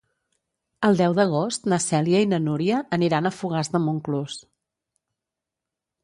El deu d'agost na Cèlia i na Núria aniran a Fogars de Montclús.